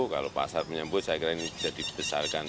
kalau pasar menyebut saya kira ini bisa dibesarkan